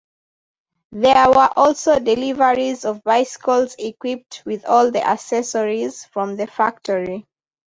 There were also deliveries of bicycles equipped with all the accessories from the factory.